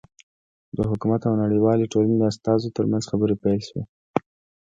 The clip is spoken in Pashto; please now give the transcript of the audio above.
د حکومت او نړیوالې ټولنې استازو ترمنځ خبرې پیل شوې.